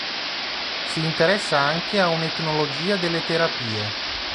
Si interessa anche a un'etnologia delle terapie.